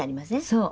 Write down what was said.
そう。